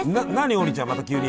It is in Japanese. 王林ちゃんまた急に。